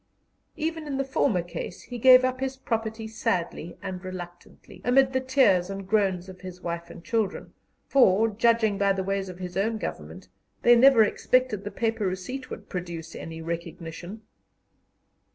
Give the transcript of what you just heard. Even in the former case he gave up his property sadly and reluctantly, amid the tears and groans of his wife and children, for, judging by the ways of his own Government, they never expected the paper receipt would produce any recognition.